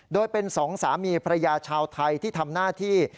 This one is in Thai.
โดยเป็นสองสามีภรรยาชาวไทยที่ทำหน้าที่